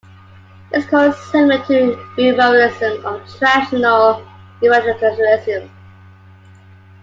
It is also similar to the revivalism of traditional Evangelicalism.